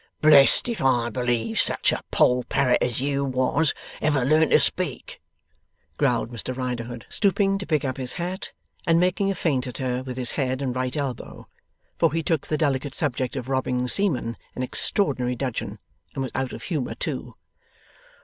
'Blest if I believe such a Poll Parrot as you was ever learned to speak!' growled Mr Riderhood, stooping to pick up his hat, and making a feint at her with his head and right elbow; for he took the delicate subject of robbing seamen in extraordinary dudgeon, and was out of humour too.